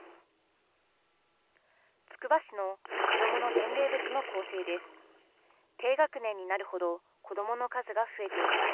つくば市の子どもの年齢別の構成です。